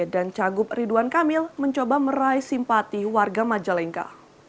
dan cagup ridwan kamil mencoba meraih simpati warga majalengka